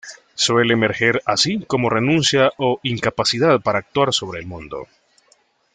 Suele emerger así como renuncia o incapacidad para actuar sobre el mundo.